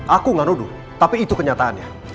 aku gak nuduh tapi itu kenyataannya